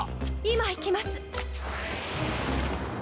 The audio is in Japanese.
今行きます。